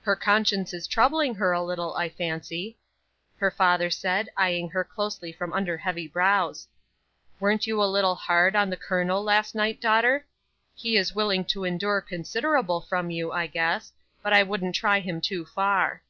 "Her conscience is troubling her a little, I fancy," her father said, eyeing her closely from under heavy brows. "Weren't you just a little hard on the colonel, last night, daughter? He is willing to endure considerable from you, I guess; but I wouldn't try him too far."